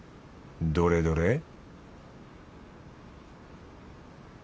どれどれ